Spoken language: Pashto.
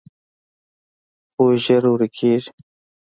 خو ژر ورکېږي